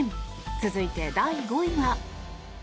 続いて、第５位は。